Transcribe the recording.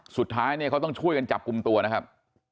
สุดท้ายเนี่ยเขาต้องช่วยกันจับกลุ่มตัวนะครับ